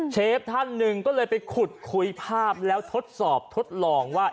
ท่านหนึ่งก็เลยไปขุดคุยภาพแล้วทดสอบทดลองว่า